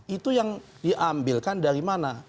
itu yang diambilkan dari mana